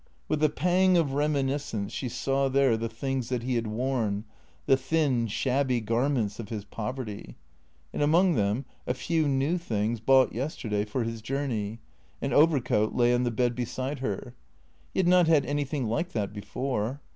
With a pang of reminiscence she saw there the things that he had worn, the thin, shabby garments of his poverty; and among them a few new things bought yesterday for his journey. An overcoat lay on the bed beside her. He had not had anything like that before.